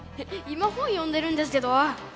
今本読んでるんですけどあっ！